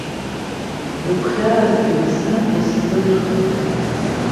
Дыгәхьаазгеит, сан дысзырхынҳә.